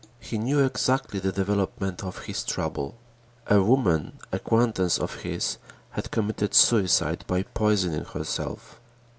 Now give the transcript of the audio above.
He knew exactly the development of his trouble. A woman acquaintance of his had committed suicide by poisoning herself.